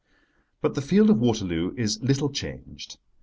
But the field of Waterloo is little changed.